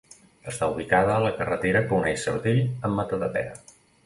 Està ubicada a la carretera que uneix Sabadell amb Matadepera.